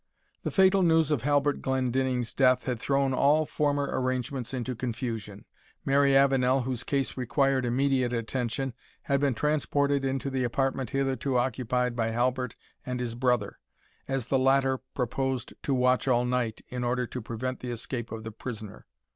The fatal news of Halbert Glendinning's death had thrown all former arrangements into confusion. Mary Avenel, whose case required immediate attention, had been transported into the apartment hitherto occupied by Halbert and his brother, as the latter proposed to watch all night, in order to prevent the escape of the prisoner.